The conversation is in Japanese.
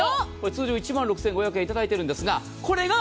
通常１万６５００円頂いているんですが、これが。